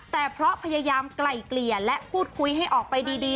แต่เพราะพยายามไกล่เกลี่ยและพูดคุยให้ออกไปดี